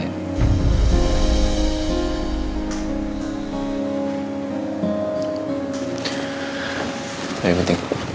tidak ada yang penting